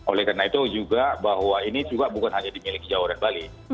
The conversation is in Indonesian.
oleh karena itu juga bahwa ini juga bukan hanya dimiliki jawa dan bali